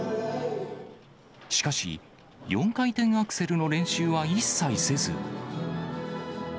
しかし、４回転アクセルの練習は一切せず。